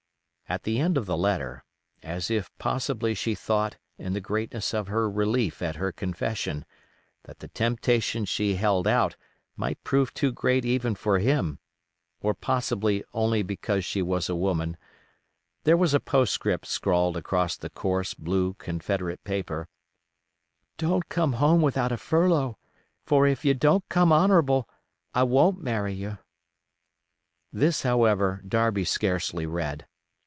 At the end of the letter, as if possibly she thought, in the greatness of her relief at her confession, that the temptation she held out might prove too great even for him, or possibly only because she was a woman, there was a postscript scrawled across the coarse, blue Confederate paper: "Don't come without a furlough; for if you don't come honorable I won't marry you." This, however, Darby scarcely read.